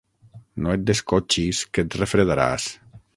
No et descotxis, que et refredaràs.